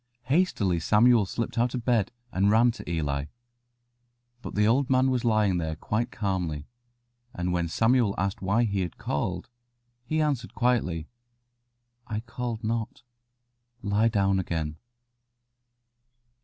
Hastily Samuel slipped out of bed, and ran to Eli. But the old man was lying there quite calmly, and when Samuel asked why he had called, he answered quietly, "I called not; lie down again."